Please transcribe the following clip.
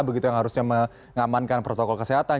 begitu yang harusnya mengamankan protokol kesehatan